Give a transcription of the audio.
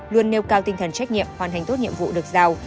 luôn nêu cao tinh thần trách nhiệm hoàn thành tốt nhiệm vụ được giao